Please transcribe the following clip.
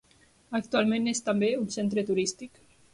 Actualment és també un centre turístic.